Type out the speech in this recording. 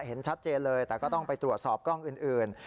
เห็นชัดเจนเลยแต่ก็ต้องไปตรวจสอบกล้องอื่น